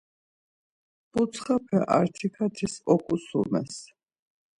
Butsxape artikatis oǩusumes.